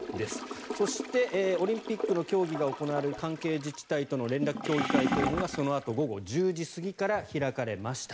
そしてオリンピックの競技が行われる関係自治体との連絡協議会というのがそのあと１０時過ぎから開かれました。